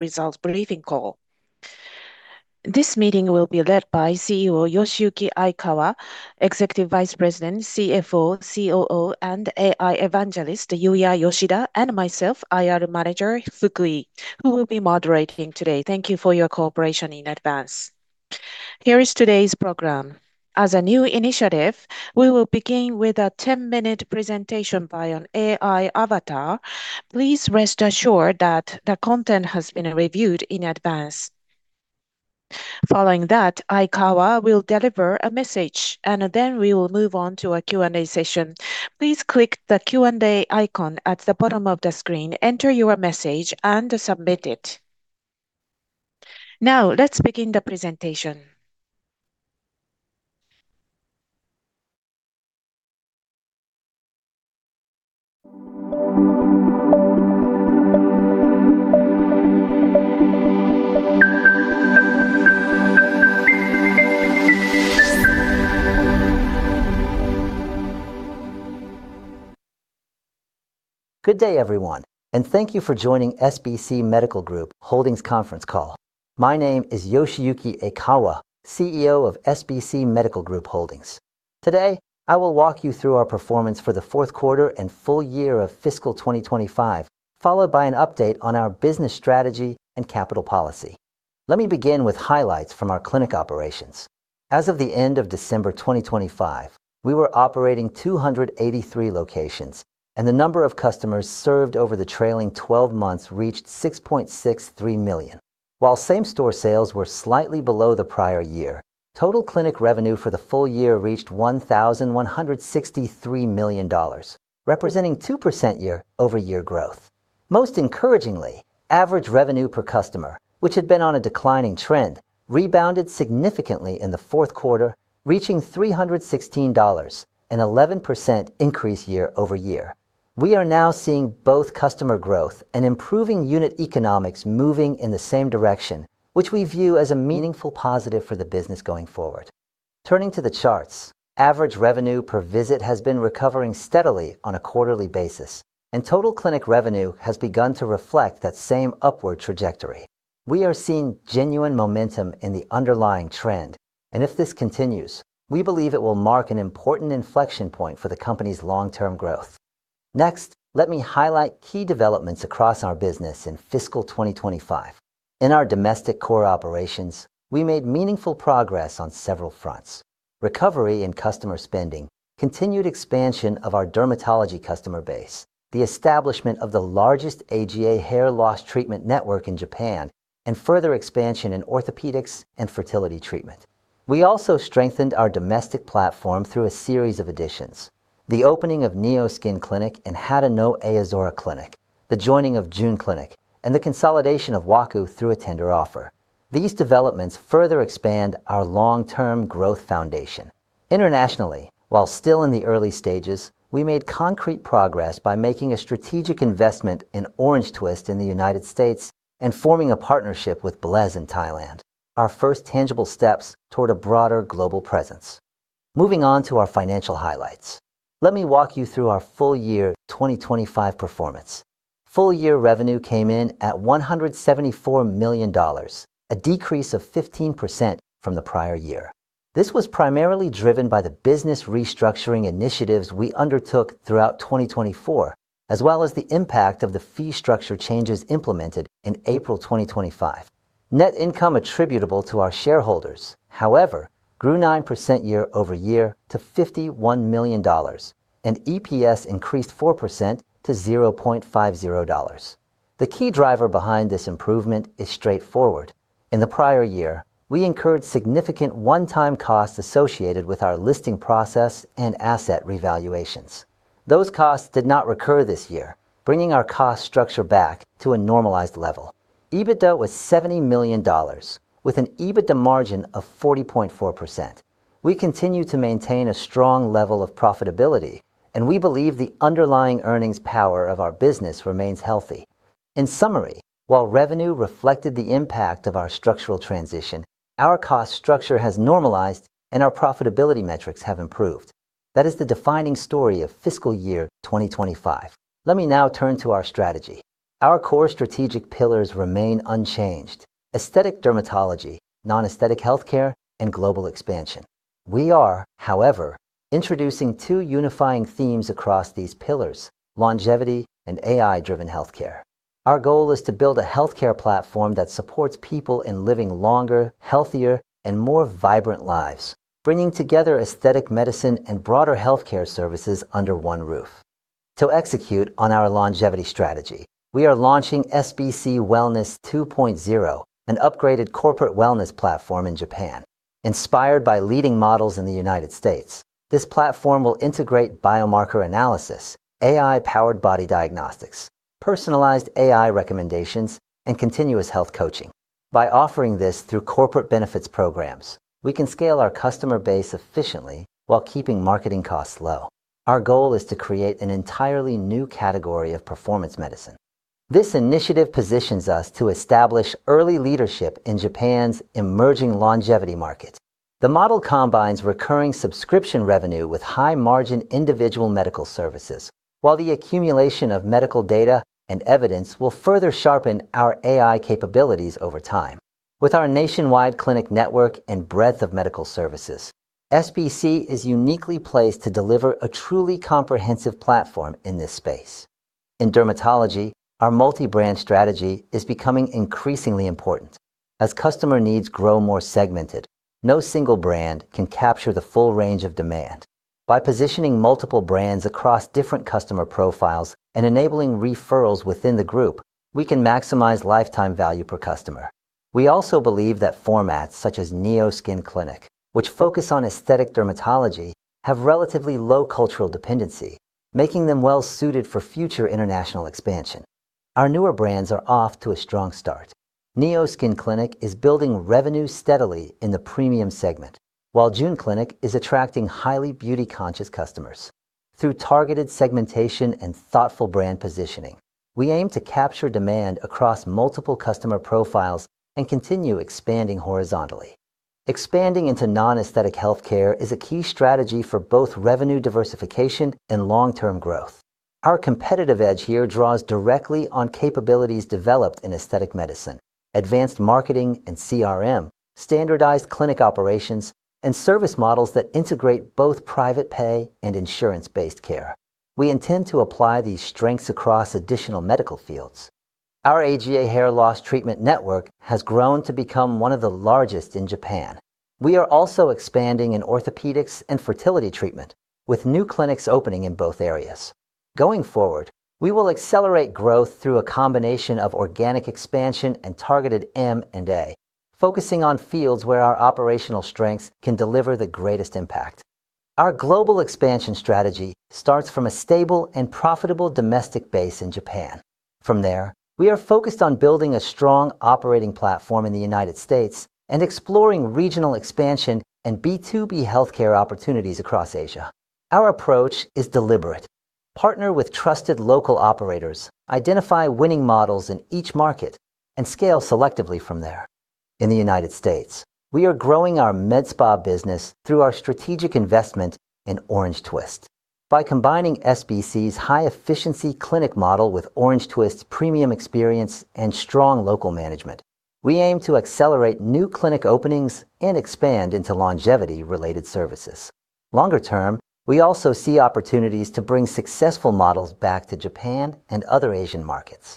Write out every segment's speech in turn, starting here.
Results briefing call. This meeting will be led by CEO Yoshiyuki Aikawa, Executive Vice President, CFO, COO, and AI Evangelist Yuya Yoshida, and myself, IR Manager Fukui, who will be moderating today. Thank you for your cooperation in advance. Here is today's program. As a new initiative, we will begin with a 10-minute presentation by an AI avatar. Please rest assured that the content has been reviewed in advance. Following that, Aikawa will deliver a message, and then we will move on to a Q&A session. Please click the Q&A icon at the bottom of the screen, enter your message, and submit it. Now, let's begin the presentation. Good day, everyone, and thank you for joining SBC Medical Group Holdings conference call. My name is Yoshiyuki Aikawa, CEO of SBC Medical Group Holdings. Today, I will walk you through our performance for the fourth quarter and full year of fiscal 2025, followed by an update on our business strategy and capital policy. Let me begin with highlights from our clinic operations. As of the end of December 2025, we were operating 283 locations, and the number of customers served over the trailing 12 months reached $6.63 million. While same-store sales were slightly below the prior year, total clinic revenue for the full year reached $1,163 million, representing 2% year-over-year growth. Most encouragingly, average revenue per customer, which had been on a declining trend, rebounded significantly in the fourth quarter, reaching $316, an 11% increase year-over-year. We are now seeing both customer growth and improving unit economics moving in the same direction, which we view as a meaningful positive for the business going forward. Turning to the charts, average revenue per visit has been recovering steadily on a quarterly basis, and total clinic revenue has begun to reflect that same upward trajectory. We are seeing genuine momentum in the underlying trend, and if this continues, we believe it will mark an important inflection point for the company's long-term growth. Next, let me highlight key developments across our business in fiscal 2025. In our domestic core operations, we made meaningful progress on several fronts. Recovery in customer spending, continued expansion of our dermatology customer base, the establishment of the largest AGA hair loss treatment network in Japan, and further expansion in orthopedics and fertility treatment. We also strengthened our domestic platform through a series of additions. The opening of NEO Skin Clinic and Hadano Aozora Clinic, the joining of JUN CLINIC, and the consolidation of Waqoo through a tender offer. These developments further expand our long-term growth foundation. Internationally, while still in the early stages, we made concrete progress by making a strategic investment in OrangeTwist in the United States and forming a partnership with BLEZ in Thailand, our first tangible steps toward a broader global presence. Moving on to our financial highlights. Let me walk you through our full year 2025 performance. Full year revenue came in at $174 million, a decrease of 15% from the prior year. This was primarily driven by the business restructuring initiatives we undertook throughout 2024, as well as the impact of the fee structure changes implemented in April 2025. Net income attributable to our shareholders, however, grew 9% year-over-year to $51 million, and EPS increased 4% to $0.50. The key driver behind this improvement is straightforward. In the prior year, we incurred significant one-time costs associated with our listing process and asset revaluations. Those costs did not recur this year, bringing our cost structure back to a normalized level. EBITDA was $70 million with an EBITDA margin of 40.4%. We continue to maintain a strong level of profitability, and we believe the underlying earnings power of our business remains healthy. In summary, while revenue reflected the impact of our structural transition, our cost structure has normalized and our profitability metrics have improved. That is the defining story of fiscal year 2025. Let me now turn to our strategy. Our core strategic pillars remain unchanged: aesthetic dermatology, non-aesthetic healthcare, and global expansion. We are, however, introducing two unifying themes across these pillars: longevity and AI-driven healthcare. Our goal is to build a healthcare platform that supports people in living longer, healthier, and more vibrant lives, bringing together aesthetic medicine and broader healthcare services under one roof. To execute on our longevity strategy, we are launching SBC Wellness 2.0, an upgraded corporate wellness platform in Japan. Inspired by leading models in the United States, this platform will integrate biomarker analysis, AI-powered body diagnostics, personalized AI recommendations, and continuous health coaching. By offering this through corporate benefits programs, we can scale our customer base efficiently while keeping marketing costs low. Our goal is to create an entirely new category of performance medicine. This initiative positions us to establish early leadership in Japan's emerging longevity market. The model combines recurring subscription revenue with high-margin individual medical services, while the accumulation of medical data and evidence will further sharpen our AI capabilities over time. With our nationwide clinic network and breadth of medical services, SBC is uniquely placed to deliver a truly comprehensive platform in this space. In dermatology, our multi-brand strategy is becoming increasingly important. As customer needs grow more segmented, no single brand can capture the full range of demand. By positioning multiple brands across different customer profiles and enabling referrals within the group, we can maximize lifetime value per customer. We also believe that formats such as NEO Skin Clinic, which focus on aesthetic dermatology, have relatively low cultural dependency, making them well-suited for future international expansion. Our newer brands are off to a strong start. NEO Skin Clinic is building revenue steadily in the premium segment, while JUN CLINIC is attracting highly beauty-conscious customers. Through targeted segmentation and thoughtful brand positioning, we aim to capture demand across multiple customer profiles and continue expanding horizontally. Expanding into non-aesthetic healthcare is a key strategy for both revenue diversification and long-term growth. Our competitive edge here draws directly on capabilities developed in aesthetic medicine, advanced marketing and CRM, standardized clinic operations, and service models that integrate both private pay and insurance-based care. We intend to apply these strengths across additional medical fields. Our AGA hair loss treatment network has grown to become one of the largest in Japan. We are also expanding in orthopedics and fertility treatment, with new clinics opening in both areas. Going forward, we will accelerate growth through a combination of organic expansion and targeted M&A, focusing on fields where our operational strengths can deliver the greatest impact. Our global expansion strategy starts from a stable and profitable domestic base in Japan. From there, we are focused on building a strong operating platform in the United States and exploring regional expansion and B2B healthcare opportunities across Asia. Our approach is deliberate. Partner with trusted local operators, identify winning models in each market, and scale selectively from there. In the United States, we are growing our med spa business through our strategic investment in OrangeTwist. By combining SBC's high-efficiency clinic model with OrangeTwist's premium experience and strong local management, we aim to accelerate new clinic openings and expand into longevity-related services. Longer term, we also see opportunities to bring successful models back to Japan and other Asian markets.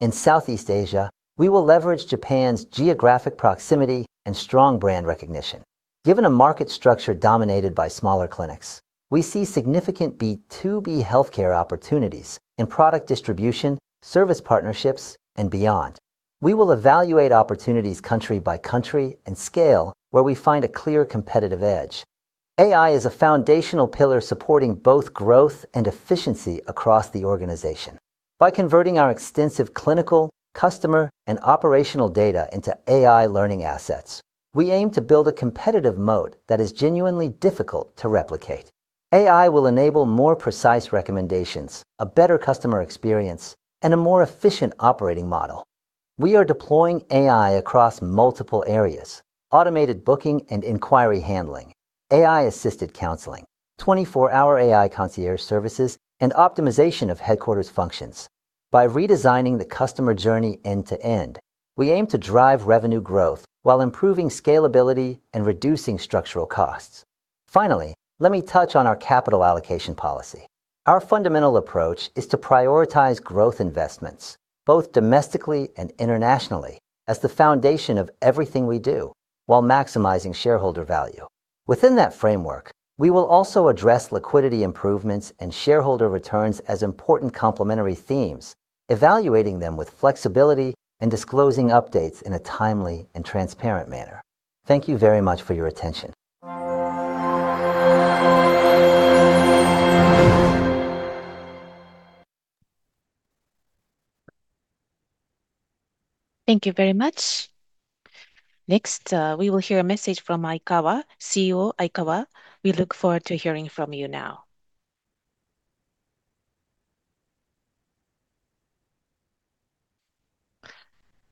In Southeast Asia, we will leverage Japan's geographic proximity and strong brand recognition. Given a market structure dominated by smaller clinics, we see significant B2B healthcare opportunities in product distribution, service partnerships, and beyond. We will evaluate opportunities country by country and scale where we find a clear competitive edge. AI is a foundational pillar supporting both growth and efficiency across the organization. By converting our extensive clinical, customer, and operational data into AI learning assets, we aim to build a competitive moat that is genuinely difficult to replicate. AI will enable more precise recommendations, a better customer experience, and a more efficient operating model. We are deploying AI across multiple areas. Automated booking and inquiry handling, AI-assisted counseling, 24-hour AI concierge services, and optimization of headquarters functions. By redesigning the customer journey end to end, we aim to drive revenue growth while improving scalability and reducing structural costs. Finally, let me touch on our capital allocation policy. Our fundamental approach is to prioritize growth investments, both domestically and internationally, as the foundation of everything we do while maximizing shareholder value. Within that framework, we will also address liquidity improvements and shareholder returns as important complementary themes, evaluating them with flexibility and disclosing updates in a timely and transparent manner. Thank you very much for your attention. Thank you very much. Next, we will hear a message from Aikawa, CEO. We look forward to hearing from you now.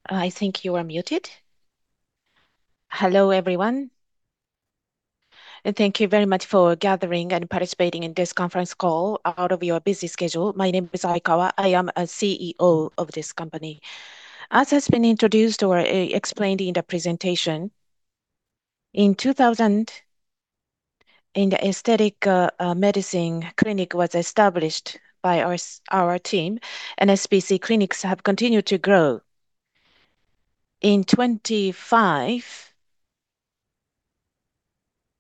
I think you are muted. Hello, everyone, and thank you very much for gathering and participating in this conference call out of your busy schedule. My name is Aikawa. I am a CEO of this company. As has been introduced or explained in the presentation, the aesthetic medicine clinic was established by our team, and SBC clinics have continued to grow. In 25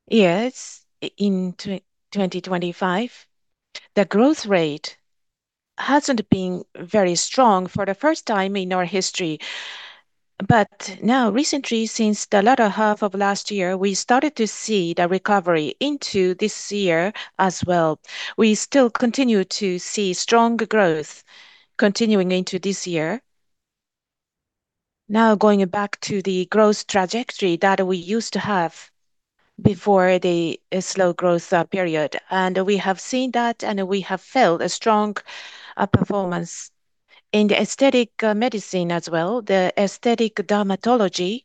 years, in 2025, the growth rate hasn't been very strong for the first time in our history. Now recently, since the latter half of last year, we started to see the recovery into this year as well. We still continue to see strong growth continuing into this year. Now going back to the growth trajectory that we used to have before the slow growth period, and we have seen that, and we have felt a strong performance in the aesthetic medicine as well. The aesthetic dermatology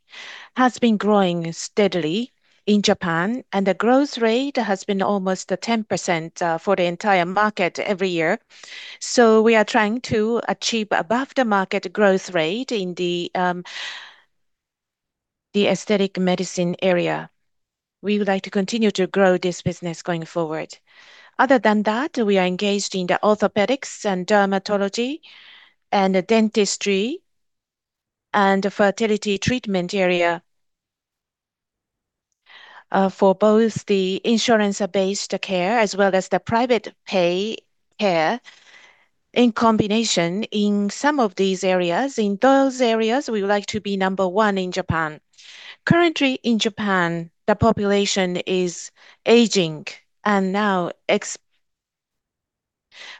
has been growing steadily in Japan, and the growth rate has been almost at 10% for the entire market every year. We are trying to achieve above the market growth rate in the aesthetic medicine area. We would like to continue to grow this business going forward. Other than that, we are engaged in the orthopedics and dermatology and dentistry and the fertility treatment area, for both the insurance-based care as well as the private pay care in combination in some of these areas. In those areas, we would like to be number one in Japan. Currently in Japan, the population is aging and now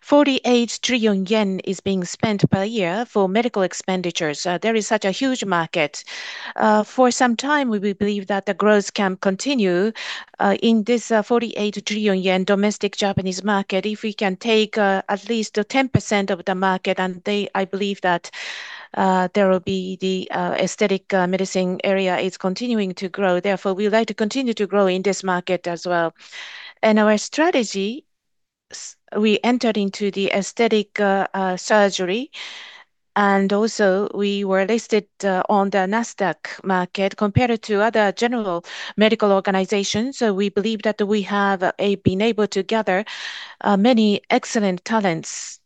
48 trillion yen is being spent per year for medical expenditures. There is such a huge market. For some time, we believe that the growth can continue in this 48 trillion yen domestic Japanese market if we can take at least 10% of the market. I believe that the aesthetic medicine area is continuing to grow. Therefore, we would like to continue to grow in this market as well. Our strategy, we entered into the aesthetic surgery, and also we were listed on the Nasdaq market compared to other general medical organizations. We believe that we have been able to gather many excellent talents.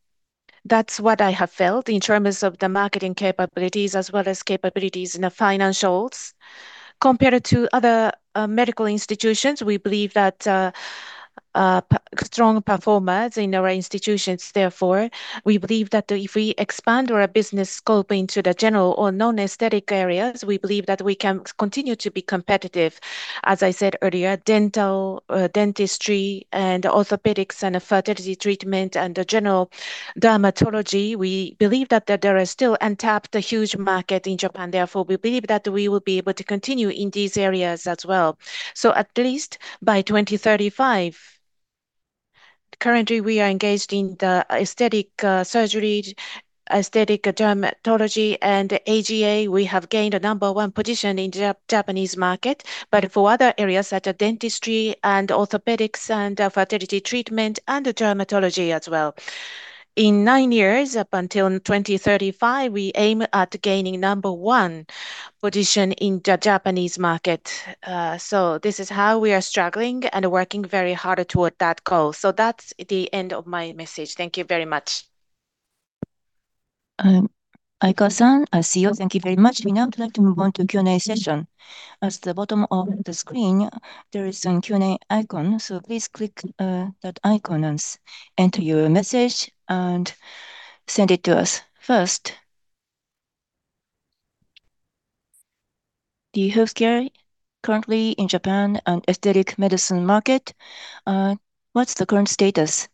That's what I have felt in terms of the marketing capabilities as well as capabilities in the financials. Compared to other medical institutions, we believe that strong performers in our institutions. Therefore, we believe that if we expand our business scope into the general or non-aesthetic areas, we believe that we can continue to be competitive. As I said earlier, dentistry and orthopedics and fertility treatment and the general dermatology, we believe that there is still untapped huge market in Japan. Therefore, we believe that we will be able to continue in these areas as well. At least by 2035, currently we are engaged in the aesthetic surgery, aesthetic dermatology and AGA. We have gained a number one position in Japanese market, but for other areas such as dentistry and orthopedics and fertility treatment and dermatology as well. In nine years, up until 2035, we aim at gaining number one position in Japanese market. This is how we are struggling and working very hard toward that goal. That's the end of my message. Thank you very much. Aikawa, our CEO, thank you very much. We now would like to move on to Q&A session. At the bottom of the screen, there is a Q&A icon, so please click that icon and enter your message and send it to us. First, the healthcare currently in Japan aesthetic medicine market, what's the current status?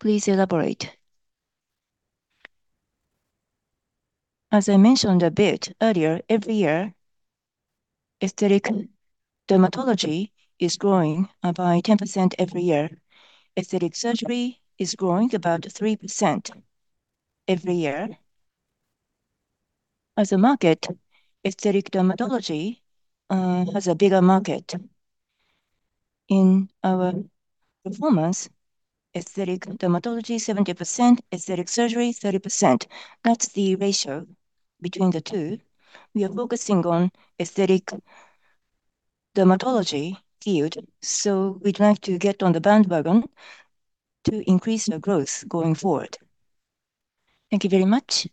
Please elaborate. As I mentioned a bit earlier, every year aesthetic dermatology is growing by 10% every year. Aesthetic surgery is growing about 3% every year. As a market, aesthetic dermatology has a bigger market. In our performance, Aesthetic dermatology 70%, Aesthetic surgery 30%. That's the ratio between the two. We are focusing on Aesthetic dermatology field, so we'd like to get on the bandwagon to increase the growth going forward. Thank you very much.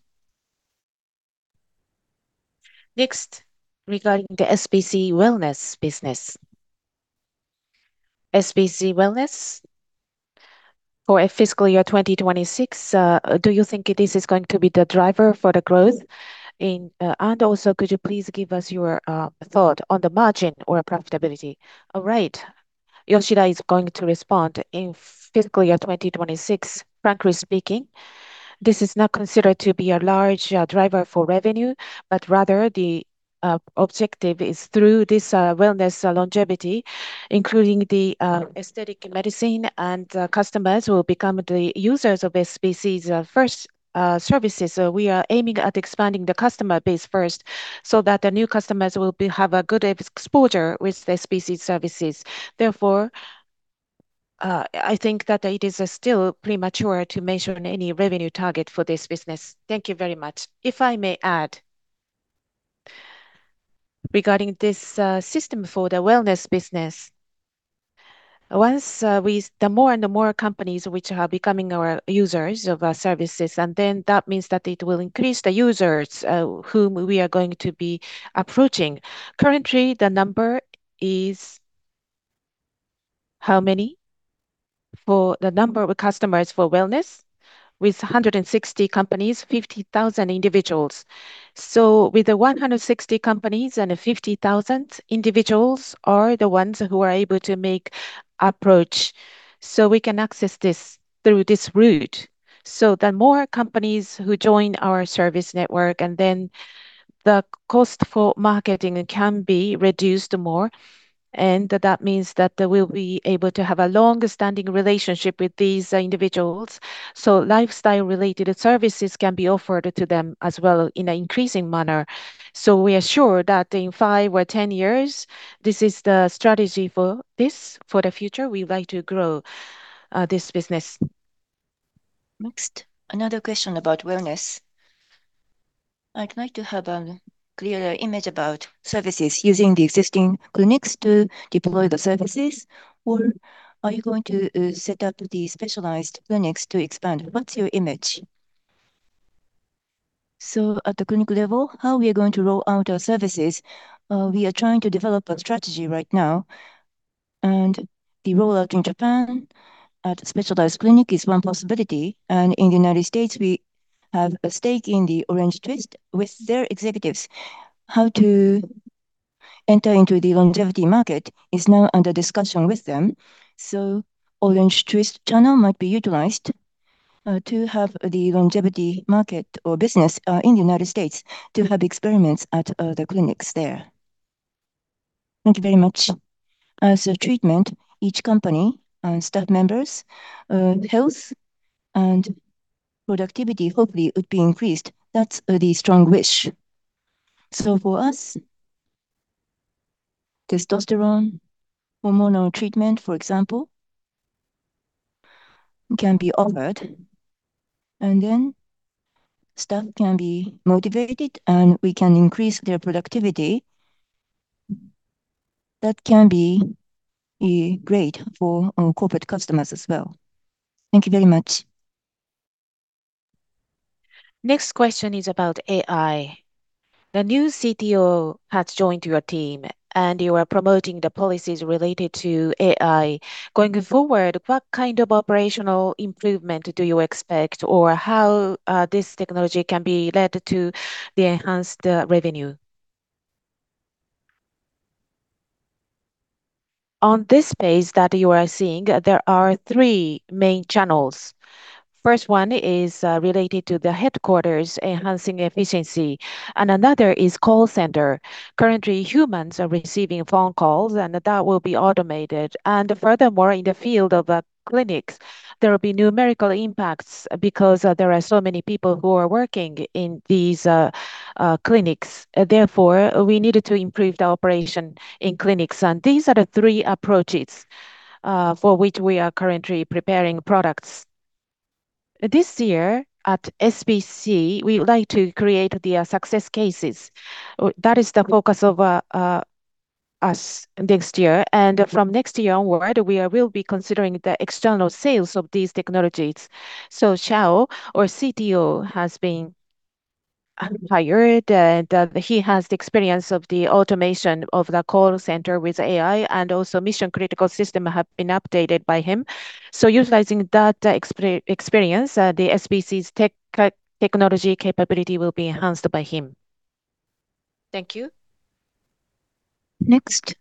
Next, regarding the SBC Wellness business. SBC Wellness for fiscal year 2026, do you think this is going to be the driver for the growth. Also, could you please give us your thought on the margin or profitability? All right. Yoshida is going to respond. In fiscal year 2026, frankly speaking, this is not considered to be a large driver for revenue, but rather the objective is through this wellness longevity, including the aesthetic medicine and customers who will become the users of SBC's first services. We are aiming at expanding the customer base first so that the new customers will have a good exposure with SBC's services. Therefore, I think that it is still premature to mention any revenue target for this business. Thank you very much. If I may add regarding this system for the wellness business, once the more companies which are becoming our users of our services, and then that means that it will increase the users, whom we are going to be approaching. Currently, the number is how many? For the number of customers for wellness, with 160 companies, 50,000 individuals. With the 160 companies and the 50,000 individuals are the ones who are able to make approach. We can access this through this route. The more companies who join our service network and then the cost for marketing can be reduced more, and that means that we'll be able to have a long-standing relationship with these individuals. Lifestyle-related services can be offered to them as well in an increasing manner. We are sure that in five or 10 years, this is the strategy for this, for the future, we'd like to grow this business. Next, another question about wellness. I'd like to have a clearer image about services using the existing clinics to deploy the services. Or are you going to set up the specialized clinics to expand? What's your image? At the clinic level, how we are going to roll out our services, we are trying to develop a strategy right now, and the rollout in Japan at specialized clinic is one possibility. In the United States, we have a stake in the OrangeTwist with their executives. How to enter into the longevity market is now under discussion with them. OrangeTwist channel might be utilized to have the longevity market or business in the United States to have experiments at other clinics there. Thank you very much. As a treatment, each company and staff members' health and productivity hopefully would be increased. That's the strong wish. For us, testosterone hormonal treatment, for example, can be offered, and then staff can be motivated, and we can increase their productivity. That can be great for our corporate customers as well. Thank you very much. Next question is about AI. The new CTO has joined your team, and you are promoting the policies related to AI. Going forward, what kind of operational improvement do you expect or how this technology can lead to the enhanced revenue? On this page that you are seeing, there are three main channels. First one is related to the headquarters enhancing efficiency, and another is call center. Currently, humans are receiving phone calls, and that will be automated. Furthermore, in the field of clinics, there will be numerical impacts because there are so many people who are working in these clinics. Therefore, we needed to improve the operation in clinics. These are the three approaches for which we are currently preparing products. This year at SBC, we would like to create the success cases. That is the focus of us next year. From next year onward, we will be considering the external sales of these technologies. Shao, our CTO, has been hired, and he has the experience of the automation of the call center with AI and also mission critical system have been updated by him. Utilizing that experience, the SBC's technology capability will be enhanced by him. Thank you. Next,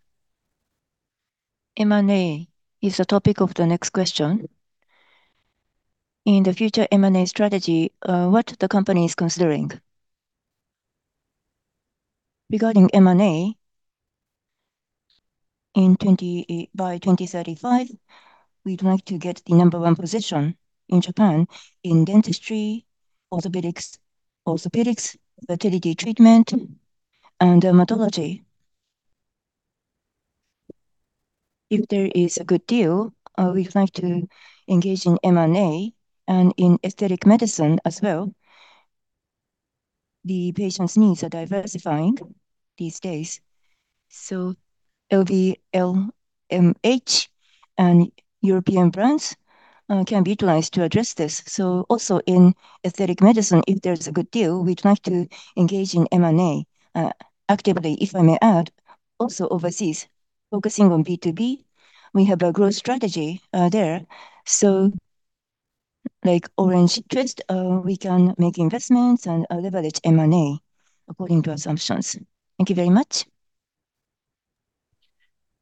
M&A is the topic of the next question. In the future M&A strategy, what the company is considering? Regarding M&A, by 2035, we'd like to get the number one position in Japan in dentistry, orthopedics, fertility treatment, and dermatology. If there is a good deal, we'd like to engage in M&A and in aesthetic medicine as well. The patient's needs are diversifying these days. LVMH and European brands can be utilized to address this. Also in aesthetic medicine, if there's a good deal, we'd like to engage in M&A actively, if I may add, also overseas, focusing on B2B. We have a growth strategy there. Like OrangeTwist, we can make investments and leverage M&A according to assumptions. Thank you very much.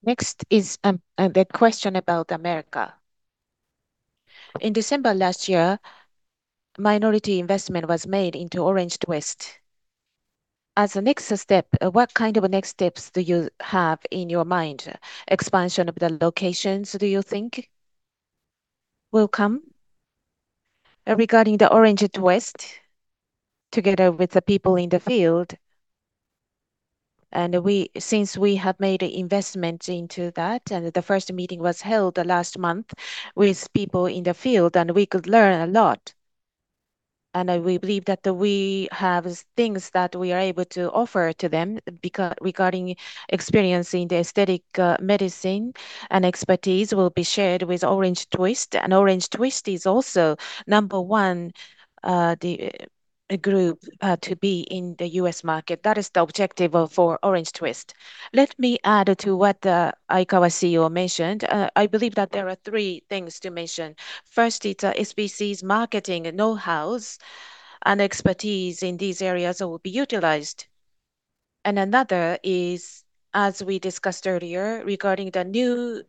Next is the question about America. In December last year, minority investment was made into OrangeTwist. As a next step, what kind of next steps do you have in your mind? Expansion of the locations, do you think will come? Regarding the OrangeTwist, together with the people in the field, since we have made investment into that, and the first meeting was held last month with people in the field, and we could learn a lot. We believe that we have things that we are able to offer to them regarding experience in the aesthetic medicine and expertise will be shared with OrangeTwist. OrangeTwist is also number one in the group to be in the U.S. market. That is the objective for OrangeTwist. Let me add to what Aikawa CEO mentioned. I believe that there are three things to mention. First, it's SBC's marketing know-hows and expertise in these areas will be utilized. Another is, as we discussed earlier, regarding the new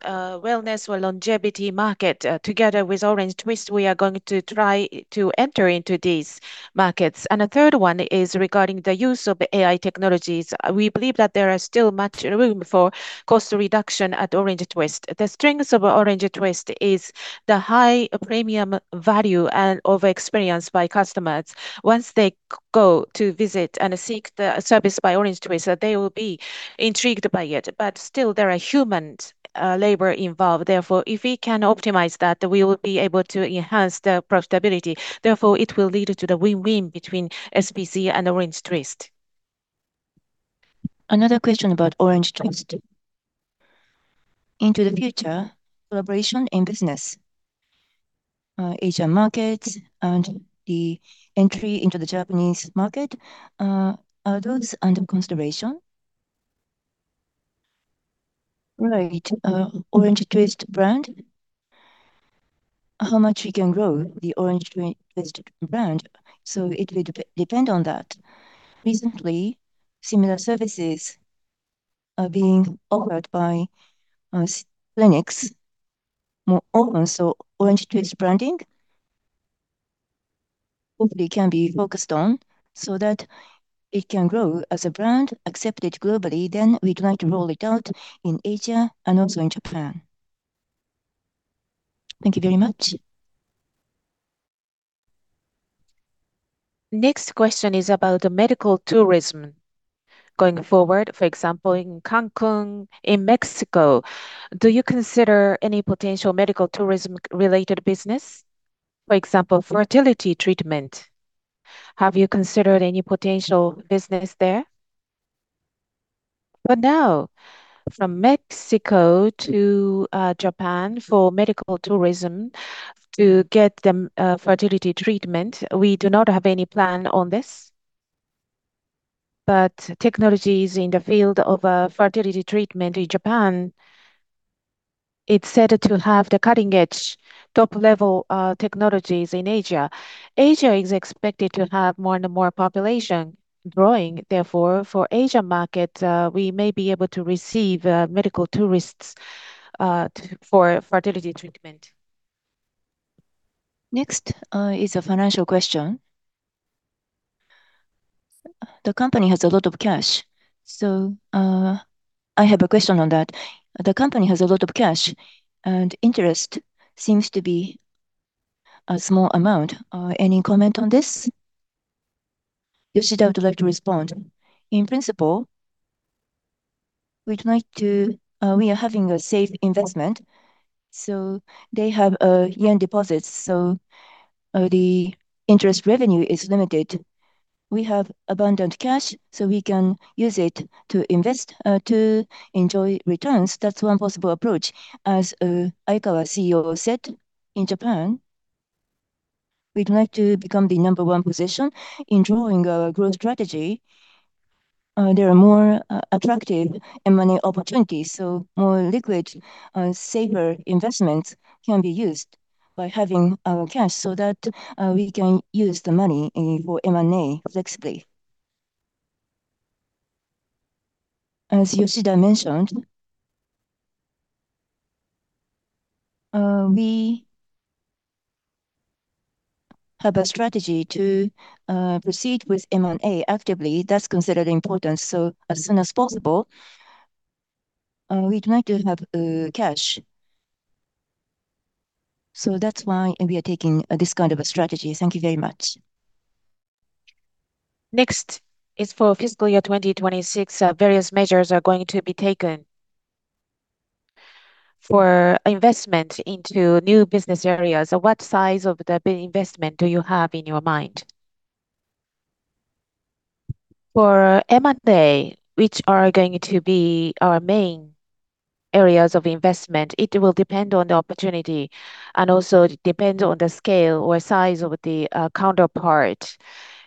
wellness or longevity market. Together with OrangeTwist, we are going to try to enter into these markets. A third one is regarding the use of AI technologies. We believe that there is still much room for cost reduction at OrangeTwist. The strengths of OrangeTwist is the high premium value and of experience by customers. Once they go to visit and seek the service by OrangeTwist, they will be intrigued by it. Still there are human labor involved, therefore, if we can optimize that, we will be able to enhance the profitability, therefore it will lead to the win-win between SBC and OrangeTwist. Another question about OrangeTwist. Into the future, collaboration in business, Asian markets and the entry into the Japanese market, are those under consideration? Right. OrangeTwist brand, how much we can grow the OrangeTwist brand, so it will depend on that. Recently, similar services are being offered by clinics more often, so OrangeTwist branding hopefully can be focused on so that it can grow as a brand accepted globally. We'd like to roll it out in Asia and also in Japan. Thank you very much. Next question is about medical tourism. Going forward, for example, in Cancún, in Mexico, do you consider any potential medical tourism related business? For example, fertility treatment, have you considered any potential business there? For now, from Mexico to Japan for medical tourism to get them fertility treatment, we do not have any plan on this. Technologies in the field of fertility treatment in Japan is said to have the cutting-edge top level technologies in Asia. Asia is expected to have more and more population growing, therefore, for Asia market, we may be able to receive medical tourists for fertility treatment. Next is a financial question. The company has a lot of cash, so, I have a question on that. The company has a lot of cash and interest seems to be a small amount. Any comment on this? Yoshida would like to respond. In principle, we are having a safe investment, so they have yen deposits, so the interest revenue is limited. We have abundant cash, so we can use it to invest to enjoy returns. That's one possible approach. As Aikawa, CEO said, in Japan we'd like to become the number one position. In drawing a growth strategy, there are more attractive M&A opportunities, so more liquid and safer investments can be used by having cash so that we can use the money for M&A flexibly. As Yoshida mentioned, we have a strategy to proceed with M&A actively. That's considered important, so as soon as possible we'd like to have cash. That's why we are taking this kind of a strategy. Thank you very much. Next is for fiscal year 2026, various measures are going to be taken for investment into new business areas. What size of the investment do you have in your mind? For M&A, which are going to be our main areas of investment, it will depend on the opportunity and also it depends on the scale or size of the counterpart.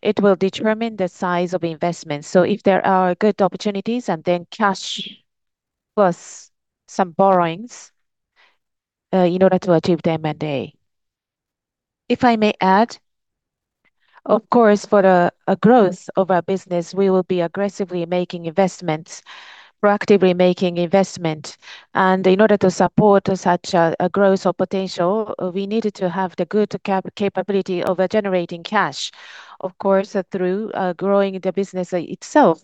It will determine the size of investment. If there are good opportunities, and then cash plus some borrowings in order to achieve the M&A. If I may add, of course, for the growth of our business, we will be aggressively making investments, proactively making investment. In order to support such a growth or potential, we need to have the good capability of generating cash, of course, through growing the business itself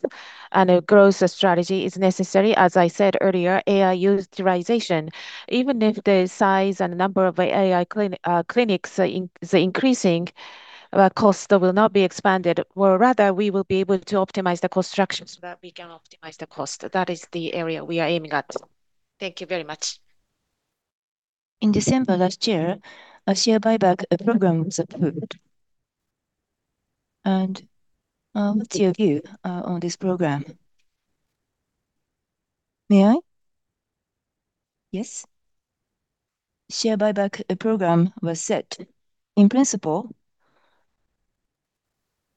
and a growth strategy is necessary. As I said earlier, AI utilization. Even if the size and number of AI clinics is increasing, costs will not be expanded, or rather we will be able to optimize the cost structure so that we can optimize the cost. That is the area we are aiming at. Thank you very much. In December last year, a share buyback program was approved, and what's your view on this program? May I? Yes. Share Buyback Program was set. In principle,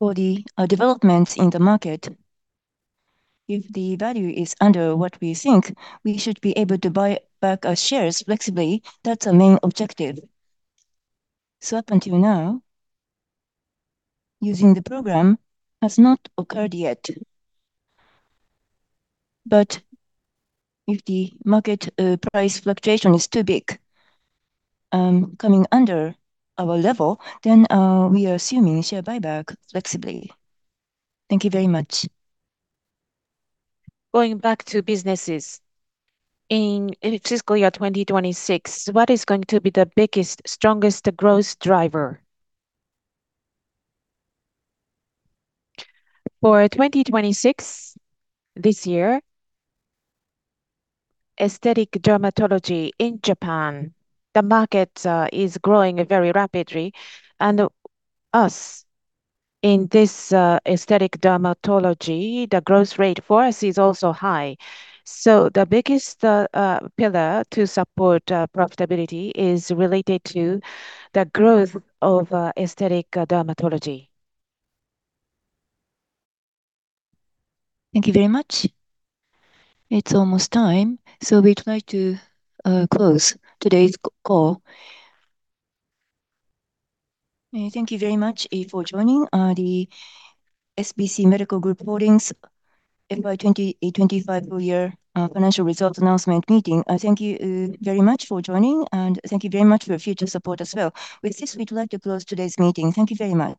for the developments in the market, if the value is under what we think, we should be able to buy back our shares flexibly. That's our main objective. Up until now, using the program has not occurred yet. If the market price fluctuation is too big, coming under our level, then we are assuming Share Buyback flexibly. Thank you very much. Going back to businesses. In fiscal year 2026, what is going to be the biggest, strongest growth driver? For 2026, this year, aesthetic dermatology in Japan, the market, is growing very rapidly. Us, in this, aesthetic dermatology, the growth rate for us is also high. The biggest, pillar to support, profitability is related to the growth of, aesthetic dermatology. Thank you very much. It's almost time, so we'd like to close today's call. Thank you very much for joining the SBC Medical Group Holdings FY 2025 full year financial results announcement meeting. Thank you very much for joining and thank you very much for your future support as well. With this, we'd like to close today's meeting. Thank you very much.